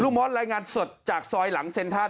ลูกหมอสรายงานสดจากซอยหลังเซ็นทั่นครับ